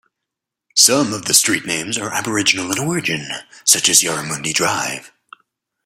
Some of the street names are aboriginal in origin such as Yarramundi Drive.